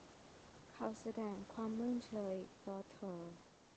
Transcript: เขาแสดงความเมินเฉยต่อเธอ